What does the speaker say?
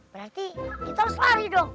berarti kita harus lari dong